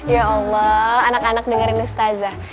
ya allah anak anak dengerin mustazah